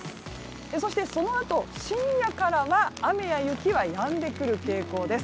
そして、そのあと深夜からは雨や雪はやんでくる傾向です。